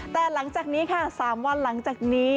แต่หลังจากนี้ค่ะ๓วันหลังจากนี้